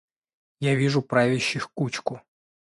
Я вижу правящих кучку.